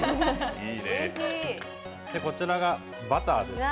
こちらがバターです。